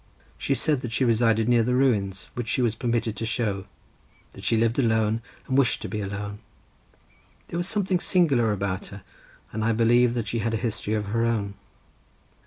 She said that she resided near the ruins, which she was permitted to show; that she lived alone, and wished to be alone—there was something singular about her, and I believe that she had a history of her own.